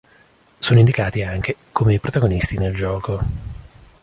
Sono indicati anche come protagonisti nel gioco.